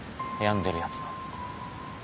病んでるやつも